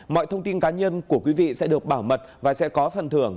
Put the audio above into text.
mọi thông tin cá nhân của quý vị sẽ được bảo mật và sẽ có phần thưởng